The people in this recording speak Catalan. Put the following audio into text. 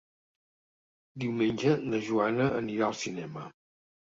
Diumenge na Joana anirà al cinema.